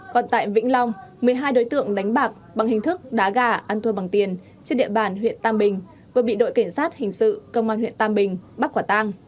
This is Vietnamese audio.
còn tại vĩnh long một mươi hai đối tượng đánh bạc bằng hình thức đá gà ăn thua bằng tiền trên địa bàn huyện tam bình vừa bị đội cảnh sát hình sự công an huyện tam bình bắt quả tang